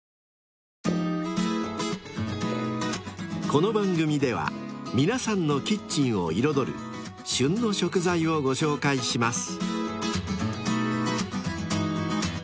［この番組では皆さんのキッチンを彩る「旬の食材」をご紹介します］